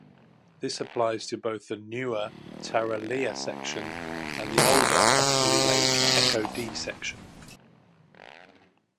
This applies to both the newer Tarraleah section and the older Osterley-Lake Echo-Dee section.